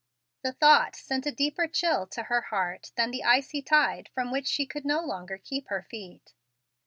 The thought sent a deeper chill to her heart than the icy tide from which she could no longer keep her feet.